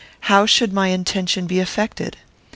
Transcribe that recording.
How should my intention be effected?